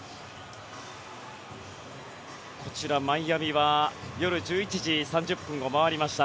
こちら、マイアミは夜１１時３０分を回りました。